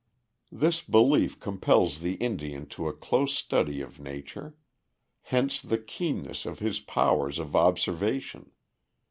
This belief compels the Indian to a close study of Nature. Hence the keenness of his powers of observation.